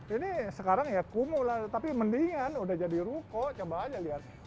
ini sekarang ya kumuh lah tapi mendingan udah jadi ruko coba aja lihat